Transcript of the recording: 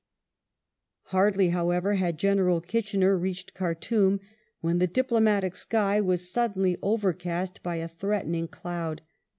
Fashoda Hardly, however, had General Kitchener reached Khartoum when the diplomatic sky was suddenly overcast by a threatening cloud.